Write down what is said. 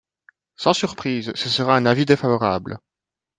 Sans surprise, ce sera un avis défavorable.